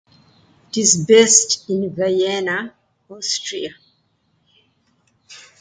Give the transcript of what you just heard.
It is based in Vienna, Austria.